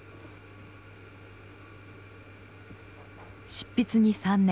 執筆に３年。